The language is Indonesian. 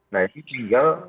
nah ini tinggal